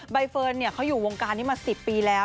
ใบเฟิร์นเขาอยู่วงการนี้มา๑๐ปีแล้ว